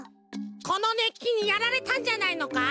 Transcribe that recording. このねっきにやられたんじゃないのか？